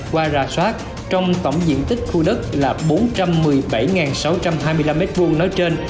qua rà soát trong tổng diện tích khu đất là bốn trăm một mươi bảy sáu trăm hai mươi năm m hai nói trên